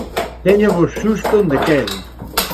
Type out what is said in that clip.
Téñovos xusto onde quero.